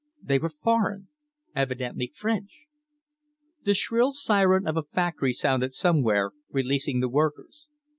They were foreign evidently French! The shrill siren of a factory sounded somewhere, releasing the workers.